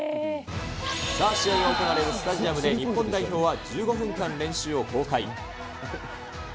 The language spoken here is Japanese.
さあ、試合が行われるスタジアムで日本代表は１５分間練習を公開。